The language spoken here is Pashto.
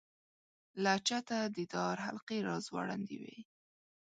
له چته د دار حلقې را ځوړندې وې.